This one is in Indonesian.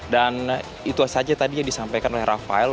dan itu saja tadinya disampaikan oleh rafael